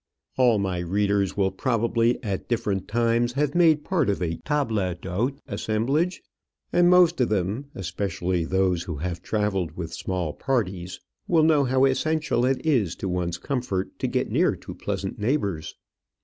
All my readers will probably at different times have made part of a table d'hôte assemblage; and most of them, especially those who have travelled with small parties, will know how essential it is to one's comfort to get near to pleasant neighbours.